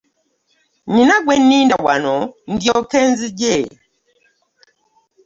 Nnina gwe nninda wano ndyoke nzije.